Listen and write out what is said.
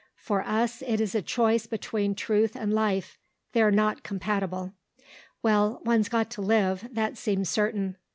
For us it is a choice between truth and life; they're not compatible. Well, one's got to live; that seems certain....